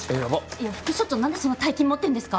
いや副署長何でそんな大金持ってんですか？